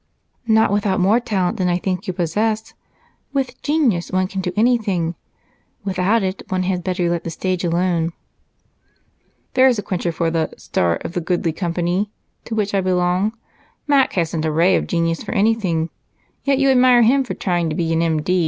"Not without more talent than I think you possess. With genius one can do anything without it one had better let the stage alone." "There's a quencher for the 'star of the goodlie companie' to which I belong. Mac hasn't a ray of genius for anything, yet you admire him for trying to be an M.